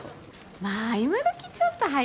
まあ今どきちょっと早いか。